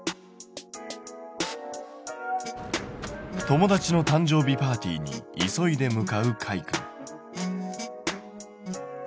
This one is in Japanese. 友達の誕生日パーティーに急いで向かうかいくん。